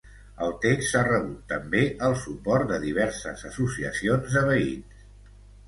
El text ha rebut també el suport de diverses associacions de veïns.